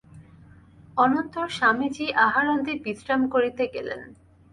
অনন্তর স্বামীজী আহারান্তে বিশ্রাম করিতে গেলেন।